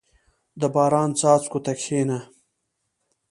• د باران څاڅکو ته کښېنه.